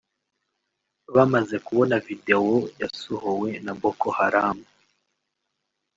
bamaze kubona videwo yasohowe na Boko Haram